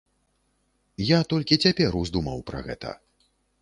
Я толькі цяпер уздумаў пра гэта.